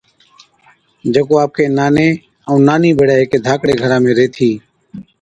جڪو آپڪي ناني ائُون نانِي ڀيڙَي هيڪي ڌاڪڙي گھرا ۾ ريهٿِي۔